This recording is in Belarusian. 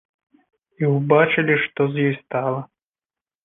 І ўбачылі, што з ёй стала.